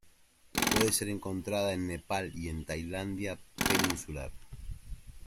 Puede ser encontrada en Nepal y en la Tailandia peninsular.